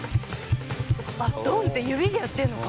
あっ「ドン」って指でやってるのか。